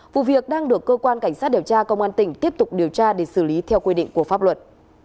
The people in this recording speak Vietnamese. vụ việc đang được cơ quan cảnh sát điều tra công an tỉnh tiếp tục điều tra để xử lý theo quy định của pháp luật